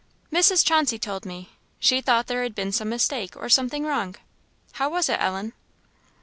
"Mrs. Chauncey told me; she thought there had been some mistake, or something wrong; how was it, Ellen?"